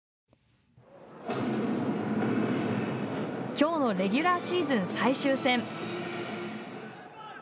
きょうのレギュラーシーズン最終戦。